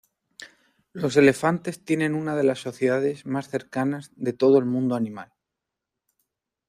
Los elefantes tienen una de las sociedades más cercanas de todo el mundo animal.